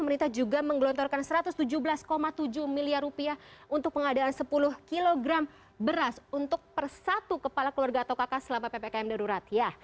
pemerintah juga menggelontorkan rp satu ratus tujuh belas tujuh miliar rupiah untuk pengadaan sepuluh kg beras untuk per satu kepala keluarga atau kakak selama ppkm darurat